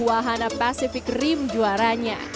wahana pacific rim juaranya